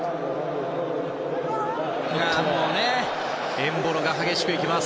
エンボロが激しく行きます。